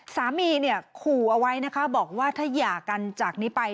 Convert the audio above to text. สามีเนี่ยขู่เอาไว้นะคะบอกว่าถ้าหย่ากันจากนี้ไป